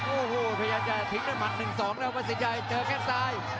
โอ้โหพยายามจะทิ้งด้วยหมัด๑๒แล้ววัดสินชัยเจอแค่งซ้าย